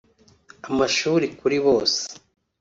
amashuri kuri bose